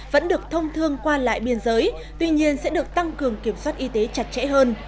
vẫn được thông thương qua lại biên giới tuy nhiên sẽ được tăng cường kiểm soát y tế chặt chẽ hơn